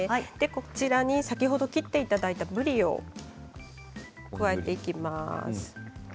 こちらに先ほど切っていただいたぶりを加えていきます。